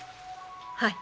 はい。